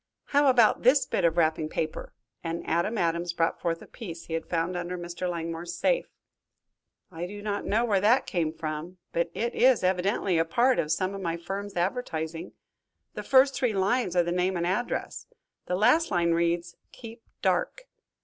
"How about this bit of wrapping paper?" and Adam Adams brought forth the piece he had found under Mr. Langmore's safe. "I do not know where that came from, but it is evidently a part of some of my firm's advertising. The first three lines are the name and address. The last line reads, 'Keep dark'."